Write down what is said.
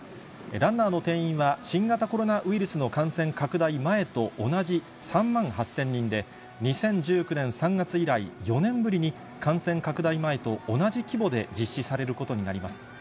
ランナーの定員は、新型コロナウイルスの感染拡大前と同じ３万８０００人で、２０１９年３月以来、４年ぶりに、感染拡大前と同じ規模で実施されることになります。